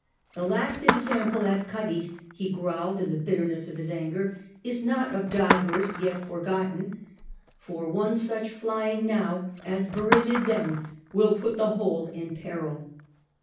" The last insample at Cadiz," he growled in the bitter ness of his anger, " is not of divers yet forgotten, for one such flying now as Borough did then will put the whole in peril."